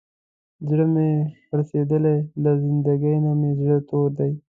زړه مې پړسېدلی، له زندګۍ نه مې زړه تور دی.